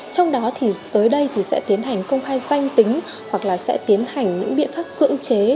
trong đó thì tới đây thì sẽ tiến hành công khai danh tính hoặc là sẽ tiến hành những biện pháp cưỡng chế